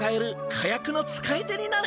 火薬の使い手になれ！